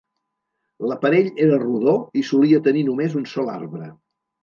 L'aparell era rodó i solia tenir només un sol arbre.